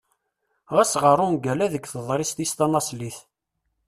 Ɣas ɣeṛ ungal-a deg teḍrist-is tanaṣlit.